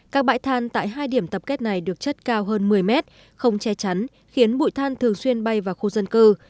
các bãi than tại hai điểm tập kết này được chất cao hơn một mươi mét không che chắn khiến bụi than thường xuyên bay vào khu dân cư